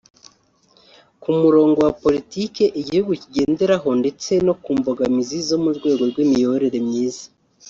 ku murongo wa politiki Igihugu kigenderaho ndetse no ku mbogamizi zo mu rwego rw’imiyoborere myiza